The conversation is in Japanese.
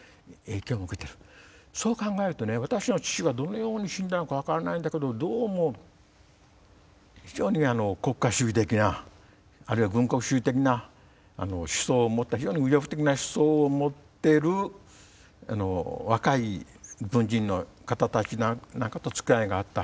そう考えるとね私の父はどのように死んだのか分からないんだけどどうも非常に国家主義的なあるいは軍国主義的な思想を持った非常に右翼的な思想を持ってる若い軍人の方たちなんかとつきあいがあった。